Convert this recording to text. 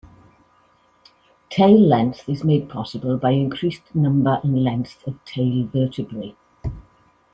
Tail length is made possible by increased number and length of tail vertebrae.